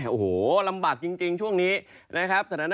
โอ้โหลำบากจริงช่วงนี้นะครับ